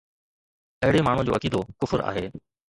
اهڙي ماڻهوءَ جو عقيدو ڪفر آهي